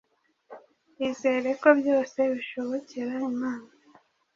Izere ko byose bishobokera Imana